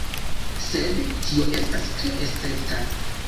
Sed tio estas tre escepta.